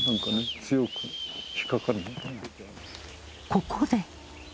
ここで。